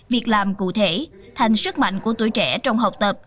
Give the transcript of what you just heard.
việc làm cụ thể thành sức mạnh của tuổi trẻ trong học tập